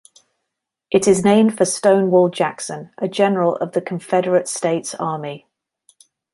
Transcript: It is named for Stonewall Jackson, a general of the Confederate States Army.